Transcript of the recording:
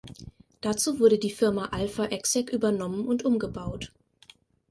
Dazu wurde die Firma Alpha Exec übernommen und umgebaut.